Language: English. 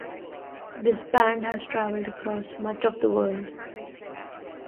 This band has travelled across much of the world.